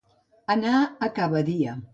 Anar a ca Badia.